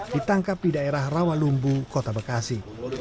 ditangkap di daerah rawalumbu kota bekasi